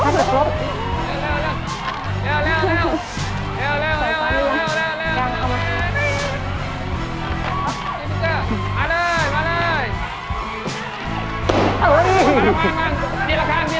เร็วเร็วเร็วเร็วเร็วเร็วเร็วเร็วเร็วเร็วมาเลยมาเลย